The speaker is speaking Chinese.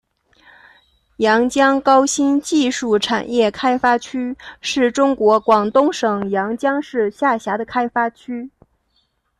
阳江高新技术产业开发区是中国广东省阳江市下辖的开发区。